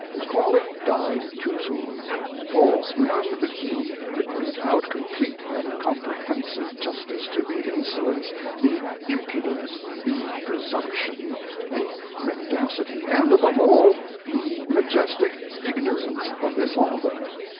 Macaulay died too soon; for none but he could mete out complete and comprehensive justice to the insolence, the impudence, the presumption, the mendacity, and, above all, the majestic ignorance of this author.